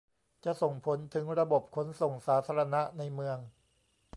จะส่งผลถึงระบบขนส่งสาธารณะในเมือง